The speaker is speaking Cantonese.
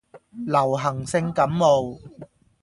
流行性感冒